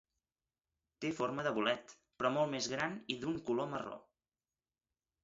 Té forma de bolet, però molt més gran i d'un color marró.